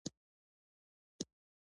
زه سابه هره ورځ خورم